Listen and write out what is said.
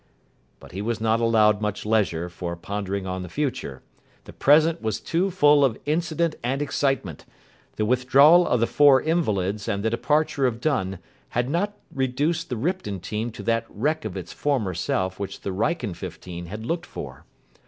But he was not allowed much leisure for pondering on the future. The present was too full of incident and excitement. The withdrawal of the four invalids and the departure of Dunn had not reduced the Ripton team to that wreck of its former self which the Wrykyn fifteen had looked for.